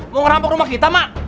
mau ngerampok rumah kita mak